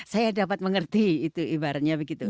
saya dapat mengerti itu ibaratnya begitu